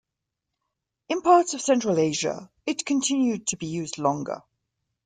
In parts of Central Asia, it continued to be used longer.